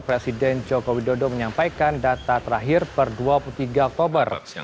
presiden joko widodo menyampaikan data terakhir per dua puluh tiga oktober